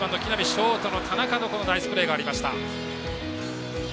ショートの田中のナイスプレーがありました。